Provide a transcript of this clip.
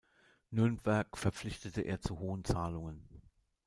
Nürnberg verpflichtete er zu hohen Zahlungen.